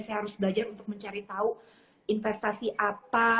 saya harus belajar untuk mencari tahu investasi apa